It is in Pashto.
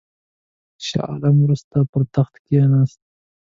شاه عالم وروسته پر تخت کښېنست.